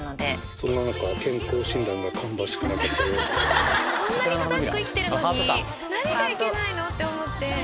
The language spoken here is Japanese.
そんな中こんなに正しく生きてるのに何がいけないの？って思って。